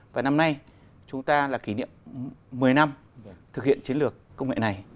và năm nay chúng ta là kỷ niệm một mươi năm thực hiện chiến lược công nghệ này